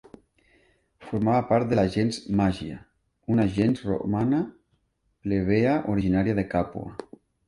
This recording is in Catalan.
Formava part de la gens Màgia, una gens romana plebea originària de Càpua.